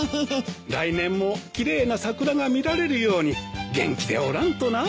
来年も奇麗な桜が見られるように元気でおらんとな。